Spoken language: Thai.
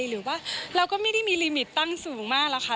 หรือว่าเราก็ไม่ได้มีลิมิตตั้งสูงมากหรอกค่ะ